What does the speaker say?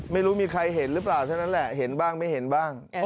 ไม่รู้มีใครเห็นหรือเปล่าเท่านั้นแหละเห็นบ้างไม่เห็นบ้าง